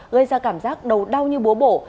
gây ra cảm giác đau như búa bổ